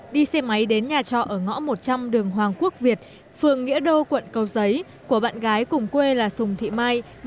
đi xe máy đến nhà trọ ở ngõ một trăm linh đường hoàng quốc việt phường nghĩa đô quận cầu giấy của bạn gái cùng quê là sùng thị mai